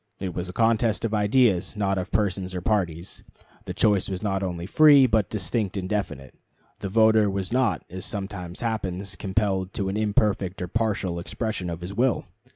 It was a contest of ideas, not of persons or parties. The choice was not only free, but distinct and definite. The voter was not, as sometimes happens, compelled to an imperfect or partial expression of his will.